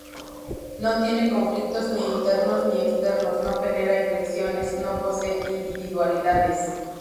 No tiene conflictos ni internos ni externos, no genera inflexiones, no posee individualidades.